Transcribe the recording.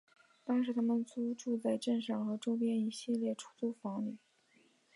当时他们租住在镇上和周边的一系列出租屋里。